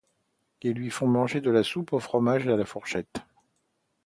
Ils lui font manger de la soupe au fromage à la fourchette.